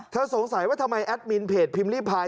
สงสัยว่าทำไมแอดมินเพจพิมพ์ลี่พาย